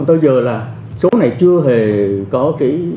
tới giờ là số này chưa hề có cái